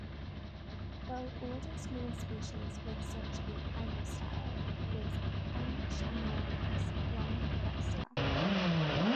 The oldest known species with such a pygostyle is "Hongshanornis longicresta".